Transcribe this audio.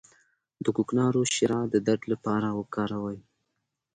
د کوکنارو شیره د درد لپاره وکاروئ